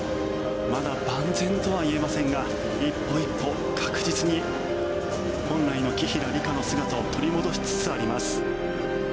まだ万全とは言えませんが一歩一歩確実に本来の紀平梨花の姿を取り戻しつつあります。